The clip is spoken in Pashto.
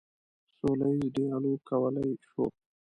سوله ییز ډیالوګ کولی شو.